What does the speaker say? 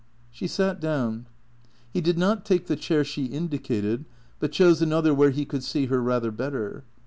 She sat down. He did not take the chair she indicated, but chose another where he could see her rather better.